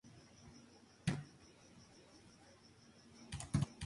Uno de los discos más esperados del año y bien valorado por la crítica.